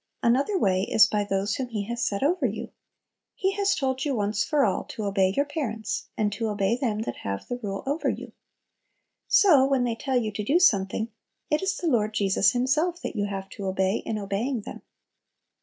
Another way is by those whom He has set over you. He has told you once for all to "obey your parents," and to "obey them that have the rule over you." So, when they tell you to do something, it is the Lord Jesus Himself that you have to obey in obeying them.